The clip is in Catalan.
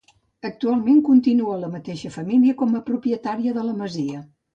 Actualment continua la mateixa família com a propietària de la masia.